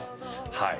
はい。